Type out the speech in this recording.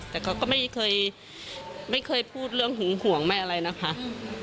แต่เขาก็ไม่เคยพูดเรื่องหึงหวงแม่อะไรนะครับ